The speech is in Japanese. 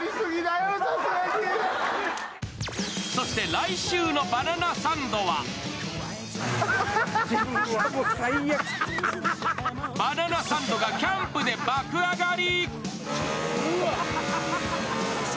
来週の「バナナサンド」は、バナナサンドがキャンプで爆上がり。